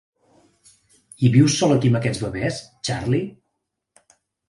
I vius sol aquí amb aquests bebès, Charley?